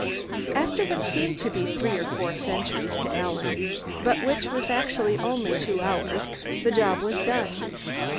After what seemed to be three or four centuries to Alan, but which was actually only two hours, the job was done.